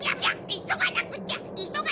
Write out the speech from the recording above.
いそがなくっちゃ！